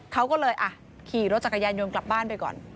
เขาก็เลยขี่รถจักรยานยนต์กลับบ้านไปก่อน